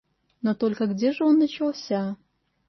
Но только где же он начался?